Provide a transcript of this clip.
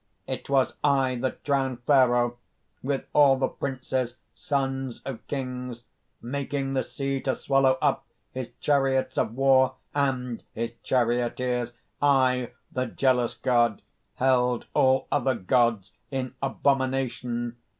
It was I that drowned Pharaoh, with all the princes, sons of Kings, making the sea to swallow up his chariots of war, and his charioteers! "I, the Jealous God, held all other gods in abomination.